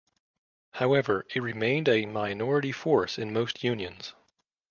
However, it remained a minority force in most unions.